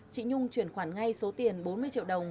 chị nhung chuyển khoản ngay số tiền bốn mươi triệu đồng